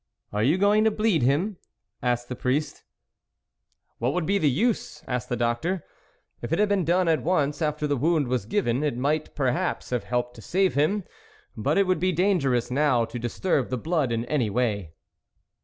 " Are you going to bleed him ?" asked the priest. " What would be the use ?" asked the doctor. "If it had been done at once after the wound was given, it might per haps have helped to save him, but it would be dangerous now to disturb the blood in any way."